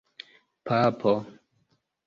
papo